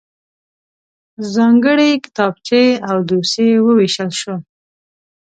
ځانګړی کتابچې او دوسيې وویشل شول.